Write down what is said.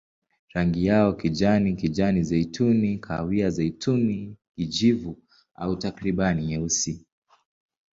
Rangi yao kijani, kijani-zeituni, kahawia-zeituni, kijivu au takriban nyeusi.